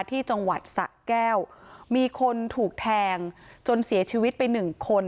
ที่จังหวัดสะแก้วมีคนถูกแทงจนเสียชีวิตไปหนึ่งคน